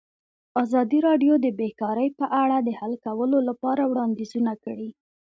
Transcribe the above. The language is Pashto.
ازادي راډیو د بیکاري په اړه د حل کولو لپاره وړاندیزونه کړي.